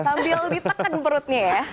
sambil ditekan perutnya ya